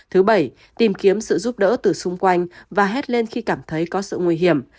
thứ bảy tìm kiếm sự giúp đỡ từ xung quanh và hết lên khi cảm thấy có sự nguy hiểm